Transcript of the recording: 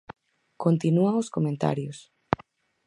Continúan os comentarios.